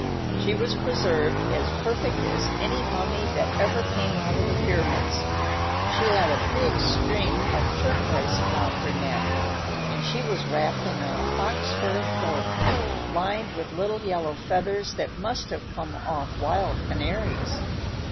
She was preserved as perfect as any mummy that ever came out of the pyramids. She had a big string of turquoises around her neck, and she was wrapped in a fox fur cloak, lined with little yellow feathers that must have come off wild canaries.